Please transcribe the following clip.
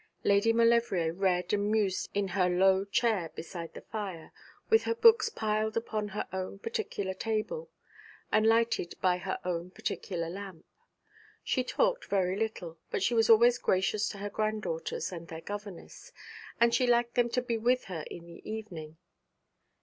Lady Maulevrier read and mused in her low chair beside the fire, with her books piled upon her own particular table, and lighted by her own particular lamp. She talked very little, but she was always gracious to her granddaughters and their governess, and she liked them to be with her in the evening.